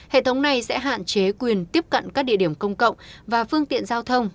hệ thống này sẽ hạn chế quyền tiếp cận các địa điểm công cộng và phương tiện giao thông